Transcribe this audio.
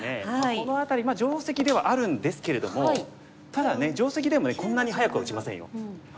この辺り定石ではあるんですけれどもただ定石でもこんなに早くは打ちませんよ。